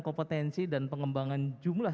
kompetensi dan pengembangan jumlah